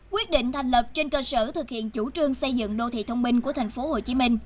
quyết định thành lập trên cơ sở thực hiện chủ trương xây dựng đô thị thông minh của thành phố hồ chí minh